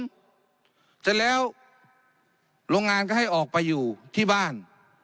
เสร็จแล้วโรงงานก็ให้ออกไปอยู่ที่บ้าน